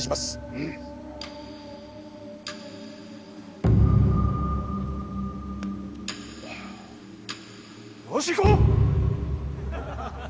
うん！よしいこう！